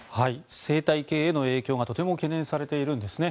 生態系への影響がとても懸念されているんですね。